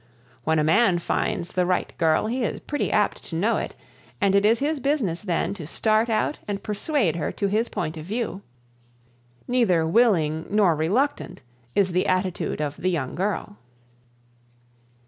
When a man finds the right girl he is pretty apt to know it, and it is his business then to start out and persuade her to his point of view. "Neither willing nor reluctant" is the attitude of the young girl.